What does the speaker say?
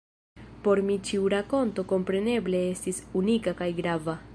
Por mi ĉiu rakonto kompreneble estis unika kaj grava.